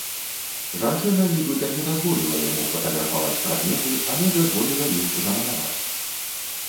Жанчына нібыта не дазволіла яму фатаграфаваць прадметы, але дазволіла іх замаляваць.